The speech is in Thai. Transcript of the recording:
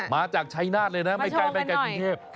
มาจากชัยนาธิ์เลยนะไม่ไกลปีเทียบ